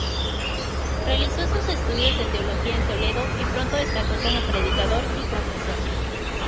Realizó sus estudios de teología en Toledo y pronto destacó como predicador y confesor.